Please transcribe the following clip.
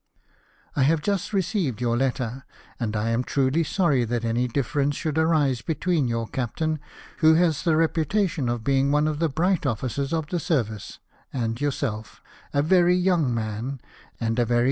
"I have just received your letter ; and I am truly sorry that any difference should arise between your captain, who has the reputation of being one of the bright officers of the service, and yourself, a very young man, and a very NELSON'S KINDLINESS.